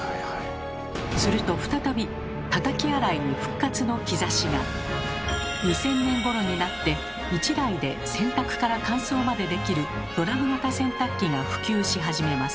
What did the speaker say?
すると再び２０００年ごろになって１台で洗濯から乾燥までできるドラム型洗濯機が普及し始めます。